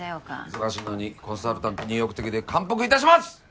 忙しいのにコンサルタントに意欲的で感服いたします！